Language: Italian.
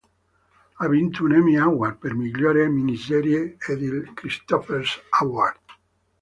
Ha vinto un Emmy Award per migliore miniserie ed il Christopher's Award.